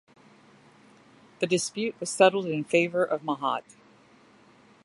The dispute was settled in favour of Mahaut.